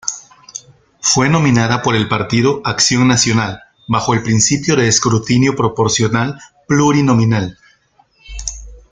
Fue nominada por el Partido Acción Nacional bajo el principio de Escrutinio proporcional plurinominal.